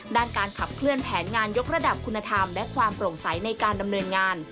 ด้านการขับเคลื่อนแผนงานยกระดับคุณธรรมและความโปร่งใสในการดำเนินงาน